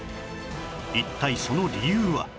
一体その理由は？